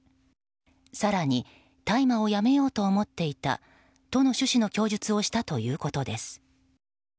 更に大麻をやめようと思っていたとの趣旨の供述をしたということです。